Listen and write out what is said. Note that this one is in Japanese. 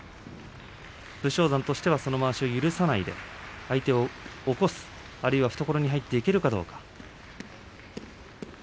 武将山としてはそのまわしを許さず相手を起こすあるいは懐に入っていけるかどうか。